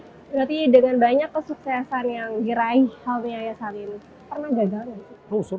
berarti dengan banyak kesuksesan yang diraih hal punya ayah salim